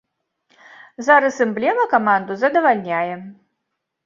Зараз эмблема каманду задавальняе.